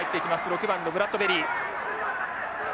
６番のブラッドベリー。